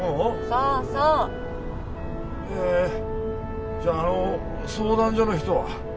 そうそうえっじゃああの相談所の人は？